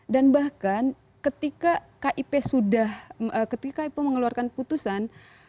dan bahkan ketika kip sudah ketika kip mengeluarkan putusan